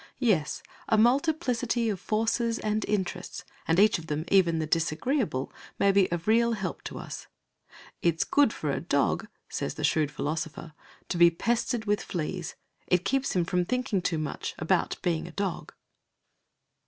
Yes, a multiplicity of forces and interests, and each of them, even the disagreeable, may be of real help to us. It's good for a dog, says a shrewd philosopher, to be pestered with fleas; it keeps him from thinking too much about being a dog.